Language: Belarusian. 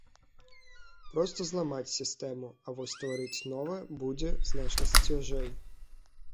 Проста зламаць сістэму, а вось стварыць новае будзе значна цяжэй.